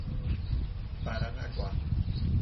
Paranaguá